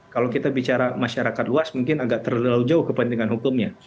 kalau kita bicara masyarakat luas mungkin agak terlalu jauh kepentingan hukumnya